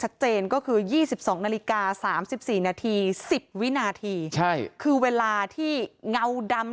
ชัดเจนก็คือ๒๒นาฬิกา๓๔นาที๑๐วินาทีใช่คือเวลาที่เงาดำ